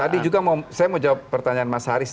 tadi juga saya mau jawab pertanyaan mas haris